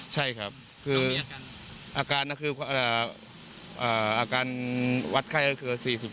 ใช่ครับคืออาการนั้นคืออาการวัดไข้ก็คือ๔๐กว่านะครับ